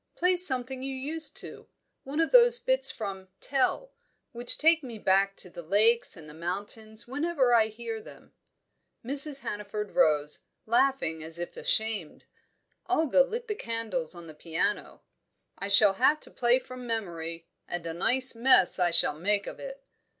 Play something you used to. One of those bits from 'Tell,' which take me back to the lakes and the mountains whenever I hear them." Mrs. Hannaford rose, laughing as if ashamed; Olga lit the candles on the piano. "I shall have to play from memory and a nice mess I shall make of it."